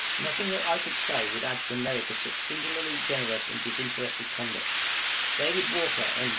Nothing that I could say would add to the merit of such singularly generous and disinterested conduct. David Walker, M.